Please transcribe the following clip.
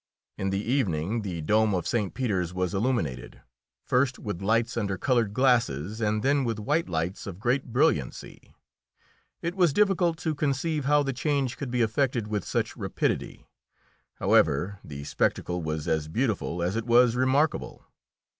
In the evening the dome of St. Peter's was illuminated, first with lights under coloured glasses, and then with white lights of greatest brilliancy. It was difficult to conceive how the change could be effected with such rapidity; however, the spectacle was as beautiful as it was remarkable.